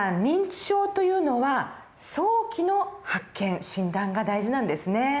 認知症というのは早期の発見診断が大事なんですね。